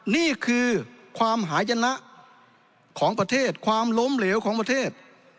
นี่คือความหายนะของประเทศความล้มเหลวของประเทศ